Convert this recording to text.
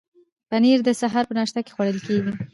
پنیر د سهار په ناشته کې خوړل کیږي.